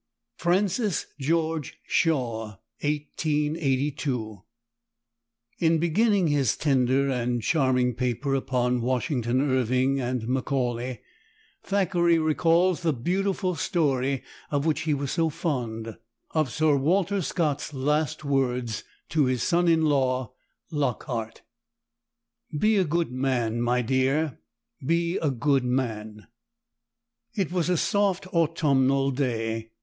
FRANCIS GEORGE SHAW. 1882. IN beginning his tender and charming paper upon Washington Irving and Macaulay, Thackeray recalls the beautiful story of which he was so fond, of Sir Walter Scott's last words to his son in law Lockhart: "Be a good man, my dear; be a good man." It was a soft autumnal day.